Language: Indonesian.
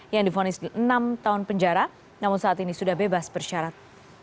yang difonis enam tahun penjara namun saat ini sudah bebas persyarat